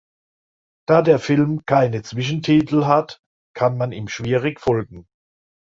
Da der Film keine Zwischentitel hat, kann man ihm schwierig folgen.